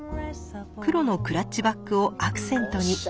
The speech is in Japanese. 黒のクラッチバッグをアクセントに。